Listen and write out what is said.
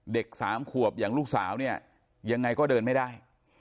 สามขวบอย่างลูกสาวเนี่ยยังไงก็เดินไม่ได้